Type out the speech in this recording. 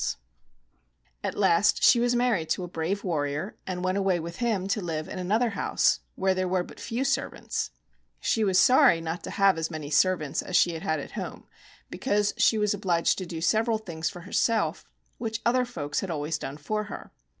Digits b, Google 12 • CHIN CHIN KOBAKAMA At last she was married to a brave warrior, and went away with him to live in another house where there were but few servants. She was sorry not to have as many servants as she had had at home, because she was obliged to do several things for herself, which other folks had always done for her.